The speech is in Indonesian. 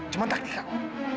cuma taktik aku